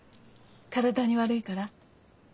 体に悪いから？